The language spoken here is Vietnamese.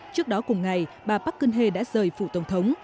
trước đó cùng ngày bà park geun hye đã rời phụ tổng thống